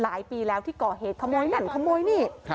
รายปีที่เกาะเหตุเข็มมวยันเข้มมวยนี่